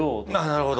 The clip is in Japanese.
なるほど。